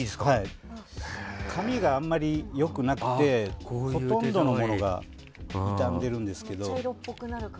紙があまりよくなくてほとんどのものが傷んでるんですけど。